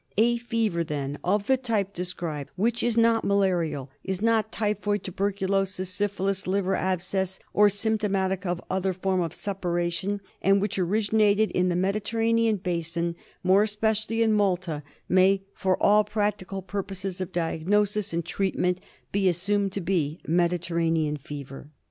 A fever, then, of the type described, which is not malarial, is not typhoid, tuberculosis, syphilis, liver abscess, or symptomatic of other form of suppuration, and which originated in the Mediterranean basin, more espe cially in Malta, may, for all practical purposes of diagnosis and treatment, be assumed to be Mediterranean fever.